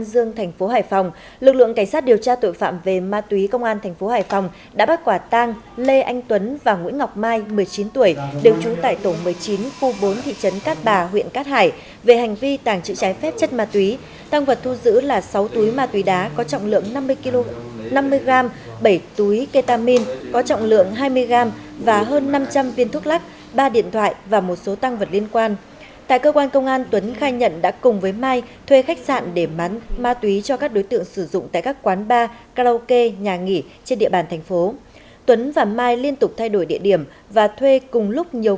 trong khi đó phòng cảnh sát điều tra tội phạm về ma túy công an tp hcm cũng đã triệt phá một đường dây mua bán trái phép chất ma túy với nhiều thủ đoạn tinh vi thu một số lượng lớn ma túy đá và thuốc lắc